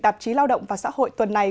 tạp chí lao động và xã hội tuần này